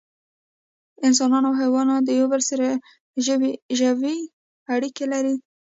انسانان او حیوانات د یو بل سره ژوی اړیکې لري